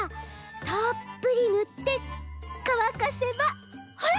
たっぷりぬってかわかせばほら！